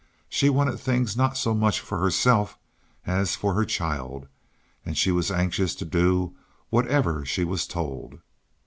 She wanted things not so much for herself as for her child, and she was anxious to do whatever she was told.